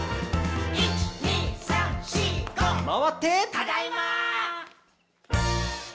「ただいま！」